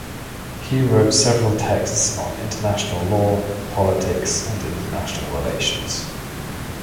He wrote several texts on international law, politics, and international relations.